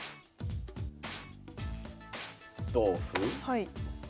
はい。